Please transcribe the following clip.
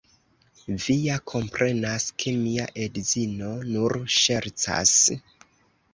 Vi ja komprenas, ke mia edzino nur ŝercas?